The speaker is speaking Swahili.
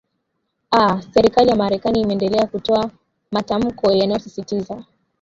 aa serikali ya marekani imeendelea kutoa matamko yanayosisitiza